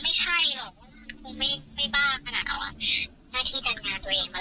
ไม่ใช่หรอกคงไม่ไม่บ้าขนาดเกาะหน้าที่การงานตัวเองมาแรก